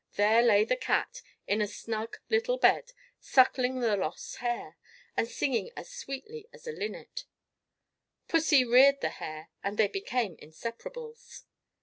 there lay the cat, in a snug little bed, suckling the lost hare, and singing as sweetly as a linnet. Pussy reared the hare, and they became inseparables.